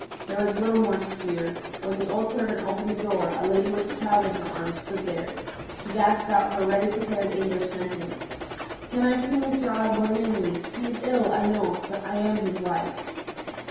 There was little more to hear. When the old servant opened the door, a lady with a child in her arms stood there. She gasped out her ready prepared English sentence, "Can I see Mr. Osborne Hamley? He is ill, I know; but I am his wife."